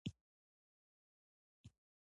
خپل اقتصاد یې پرې وچلوه،